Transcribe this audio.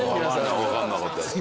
わからなかったですね。